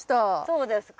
そうですか。